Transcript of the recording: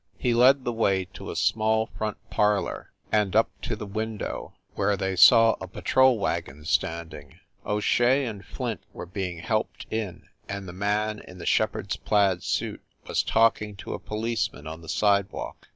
He led the way to a small front parlor, and up to the window, where they saw a patrol wagon standing. O Shea and Flint were being helped in, and the man in the shepherd s plaid suit was talking to a policeman on the sidewalk.